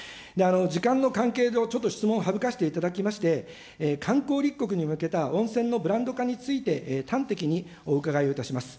時間の関係上、ちょっと質問省かせていただきまして、観光立国に向けた温泉のブランド化について、端的にお伺いをいたします。